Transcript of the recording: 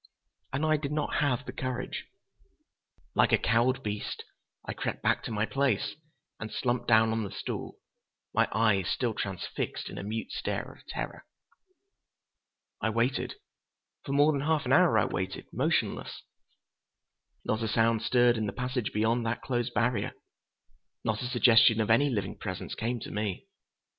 And—I did not have the courage. Like a cowed beast I crept back to my place and slumped down on the stool, my eyes still transfixed in a mute stare of terror. I waited. For more than half an hour I waited, motionless. Not a sound stirred in the passage beyond that closed barrier. Not a suggestion of any living presence came to me.